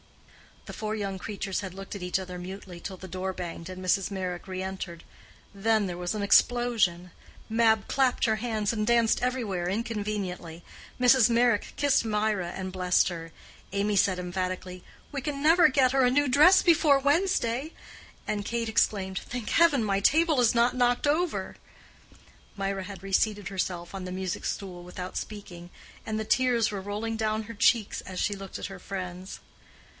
The four young creatures had looked at each other mutely till the door banged and Mrs. Meyrick re entered. Then there was an explosion. Mab clapped her hands and danced everywhere inconveniently; Mrs. Meyrick kissed Mirah and blessed her; Amy said emphatically, "We can never get her a new dress before Wednesday!" and Kate exclaimed, "Thank heaven my table is not knocked over!" Mirah had reseated herself on the music stool without speaking, and the tears were rolling down her cheeks as she looked at her friends.